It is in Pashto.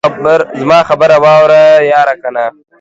زما خبره واوره ياره کنه.